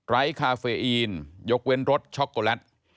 คาเฟอีนยกเว้นรถช็อกโกแลต